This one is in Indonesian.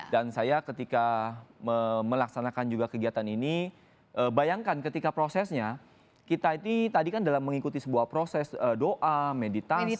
dan saya ketika melaksanakan juga kegiatan ini bayangkan ketika prosesnya kita itu tadi kan dalam mengikuti sebuah proses doa meditasi